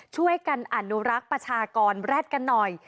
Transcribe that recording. ช่วยกันอนุรักษ์ประชากรแร็ดกันหน่อย